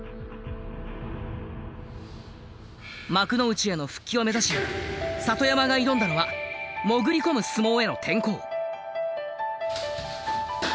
幕内への復帰を目指し里山が挑んだのは潜り込む相撲への転向。